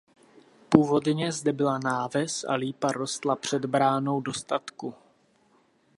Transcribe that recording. Původně zde byla náves a lípa rostla před bránou do statku.